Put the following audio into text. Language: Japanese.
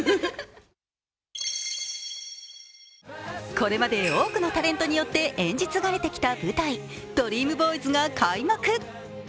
これまで多くのタレントによって演じ継がれてきた舞台「ＤＲＥＡＭＢＯＹＳ」が開幕。